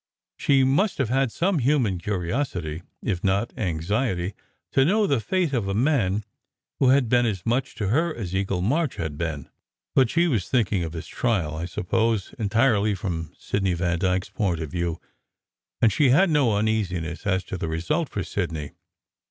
She must have had some human curiosity, if not anxiety, to know the fate of a man who had been as much to her as Eagle March had been; but she was thinking of his trial, I suppose, entirely from Sidney Vandyke s point of view, and she had no uneasiness as to the result for Sidney.